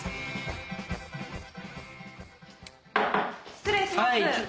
失礼します。